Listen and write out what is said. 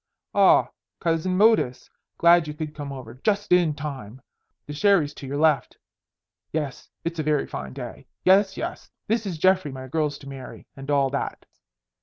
Ah, Cousin Modus, glad you could come over. Just in time. The sherry's to your left. Yes, it's a very fine day. Yes, yes, this is Geoffrey my girl's to marry and all that.